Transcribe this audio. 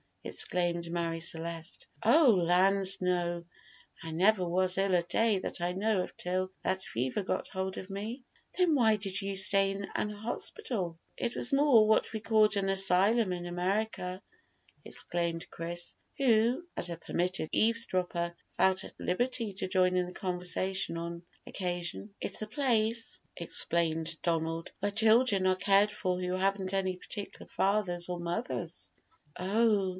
exclaimed Marie Celeste. "Oh lands, no! I never was ill a day that I know of till that fever got hold of me." "Then why did you stay in an hospital?" "It was more what we call an asylum in America," explained Chris, who, as a permitted eavesdropper, felt at liberty to join in the conversation on occasion. "It's a place," explained Donald, "where children are cared for who haven't any particular fathers or mothers." "Oh!"